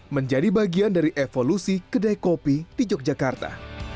menjadi bagian dari evolusi kedai kopi di yogyakarta